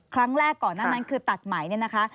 ครั้งแรกก่อนหน้านั้นคือตัดใหม่เนี่ยนะคะ